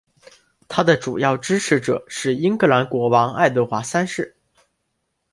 他的主要支持者是英格兰国王爱德华三世。